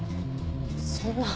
そんな。